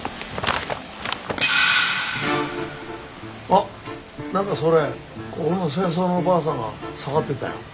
あっ何かそれここの清掃のばあさんが触ってたよ。